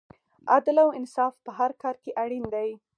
عدل او انصاف په هر کار کې اړین دی.